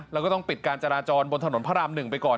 แล้วก็ต้องปิดการจราจรบนถนนพระราม๑ไปก่อน